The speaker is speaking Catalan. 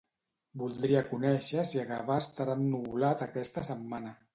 Voldria conèixer si a Gavà estarà ennuvolat aquesta setmana.